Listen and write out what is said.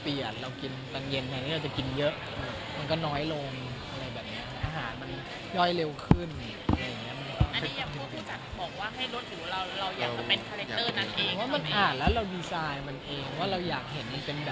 ภิกษ์นี้มีเทคนิคหรือว่าศึกษาการลดตำหนักอะไรอย่างเนี้ย